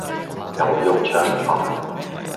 牛肉腸粉